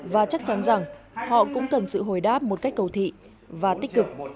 và chắc chắn rằng họ cũng cần sự hồi đáp một cách cầu thị và tích cực